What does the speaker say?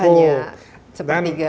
ya ternyata hanya sepertiga